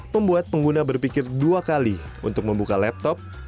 membuat pengguna berpikir dua kali untuk membuka laptop